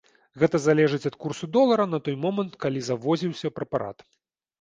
Гэта залежыць ад курсу долара на той момант, калі завозіўся прэпарат.